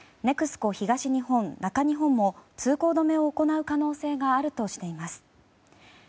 ＮＥＸＣＯ東日本、中日本も通行止めを行う可能性があるとしています。